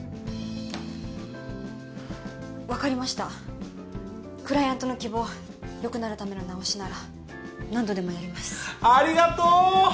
分かりましたクライアントの希望よくなるための直しなら何度でもやりますありがとー！